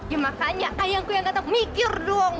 ya makanya ayahku yang tetap mikir dong